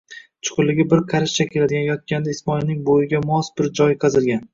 Chuqurligi bir qarichcha keladigan, yotganda Ismoilning bo'yiga mos bir joy qazilgan.